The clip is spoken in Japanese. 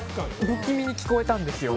不気味に聞こえたんですよ。